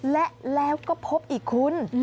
และแล้วก็พบอีกคุณ